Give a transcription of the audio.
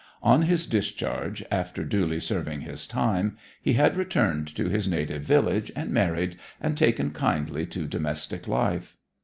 On his discharge, after duly serving his time, he had returned to his native village, and married, and taken kindly to domestic life.